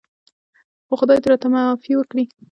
خو خدای دې راته معافي وکړي.